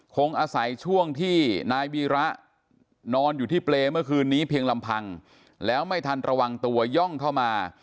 คงอาศัยช่วงที่นายวีระนอนอยู่ที่เปรย์เมื่อคืนนี้เพียงลำพังแล้วไม่ทันระวังตัวย่องเข้ามา